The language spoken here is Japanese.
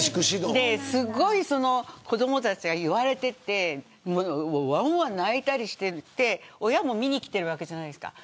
すごい子どもたちが言われててわんわん泣いたりしてて親も見に来てるわけじゃないですか。